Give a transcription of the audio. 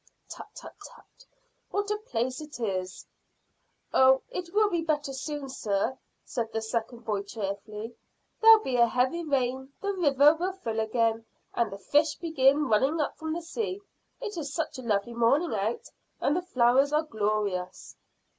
"Tut, tut, tut! What a place it is!" "Oh, it will be better soon, sir," said the second boy cheerfully. "There'll be a heavy rain, the river will fill again, and the fish begin running up from the sea. It's such a lovely morning out, and the flowers are glorious."